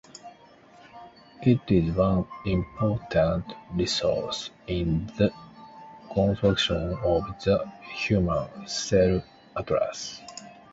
It is one important resource in the construction of the Human Cell Atlas.